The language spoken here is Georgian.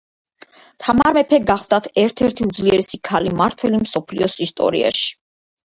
თამარ მეფე გახლდათ ერთ-ერთი უძლიერესი ქალი მმართველი მსოფლიოს ისტორიაში